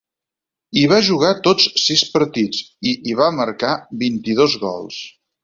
Hi va jugar tots sis partits, i hi va marcar vint-i-dos gols.